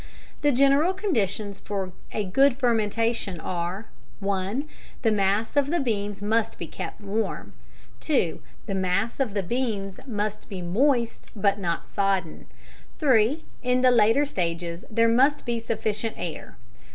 The general conditions for a good fermentation are: (1) The mass of beans must be kept warm. (2) The mass of beans must be moist, but not sodden. (3) In the later stages there must be sufficient air.